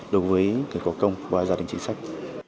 đối với người có công và gia đình chính sách